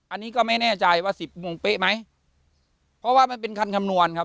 อันนี้ก็ไม่แน่ใจว่าสิบโมงเป๊ะไหมเพราะว่ามันเป็นคันคำนวณครับ